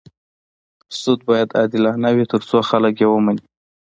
سود باید عادلانه وي تر څو خلک یې ومني.